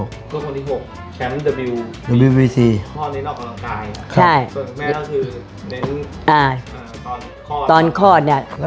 คุณพ่อมีลูกทั้งหมด๑๐ปี